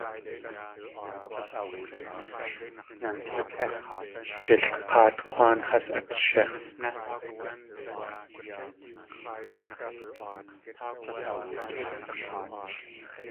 Jilk̲áat K̲wáan has at shí.